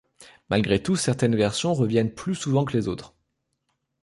Malgré tout, certaines versions reviennent plus souvent que les autres.